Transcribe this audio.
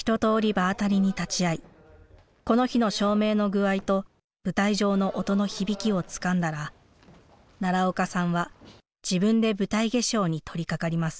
場当たりに立ち会いこの日の照明の具合と舞台上の音の響きをつかんだら奈良岡さんは自分で舞台化粧に取りかかります。